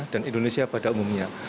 dan indonesia pada umumnya